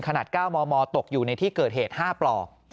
ขนาด๙มมตกอยู่ในที่เกิดเหตุ๕ปลอก